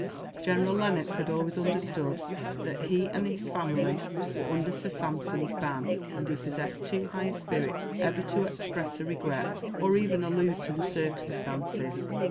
General Lennox had always understood that he and his family were under Sir Sampson's ban, and he possessed too high a spirit ever to express a regret, or even allude to the circumstances.